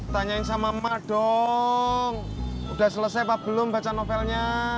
tanyain sama emak dong udah selesai apa belum baca novelnya